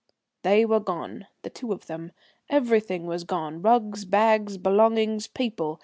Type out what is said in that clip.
They were gone, the two of them. Everything was gone, rugs, bags, belongings, people.